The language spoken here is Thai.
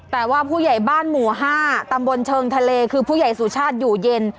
แต่ว่าผู้ใหญ่บ้านหมู่๕ตำบลเชิงทะเลคือผู้ใหญ่สุชาติอยู่เย็น